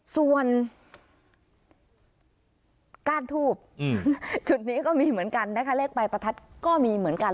ส่วนก้านทูบจุดนี้ก็มีเหมือนกันนะคะเลขปลายประทัดก็มีเหมือนกัน